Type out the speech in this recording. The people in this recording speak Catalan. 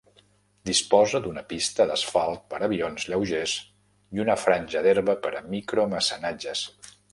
Disposa d'una pista d'asfalt per a avions lleugers i una franja d'herba per a micromecenatges.